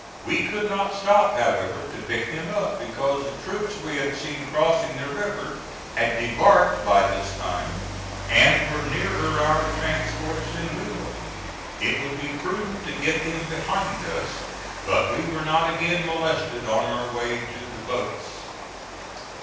We could not stop, however, to pick them up, because the troops we had seen crossing the river had debarked by this time and were nearer our transports than we were. It would be prudent to get them behind us; but we were not again molested on our way to the boats.